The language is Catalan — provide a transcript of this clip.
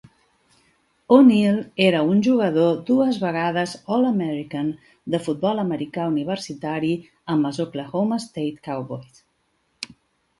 O'Neal era un jugador dues vegades All-American de futbol americà universitari amb els Oklahoma State Cowboys.